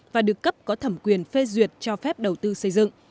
và được cấp có thẩm quyền phê duyệt cho phép đầu tư xây dựng